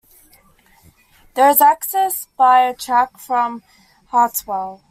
There is access by a track from Hartwell.